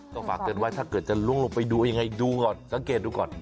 ก็ฝากเตือนไว้ถ้าเกิดจะล้วงลงไปดูยังไงดูก่อนสังเกตดูก่อน